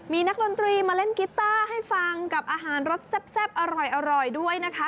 มีนักดนตรีมาเล่นกีต้าให้ฟังกับอาหารรสแซ่บอร่อยด้วยนะคะ